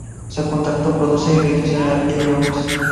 Su contacto produce irritación en piel y ojos.